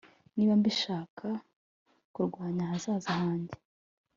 niba mbishaka, kurwanya ahazaza hanjye